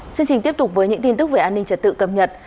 chương trình tiếp tục với những tin tức về an ninh trật tự cập nhật